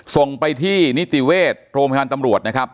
ส่งไปที่นิติเวชโรงพยาบาลตำรวจนะครับ